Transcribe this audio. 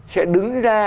sẽ đứng ra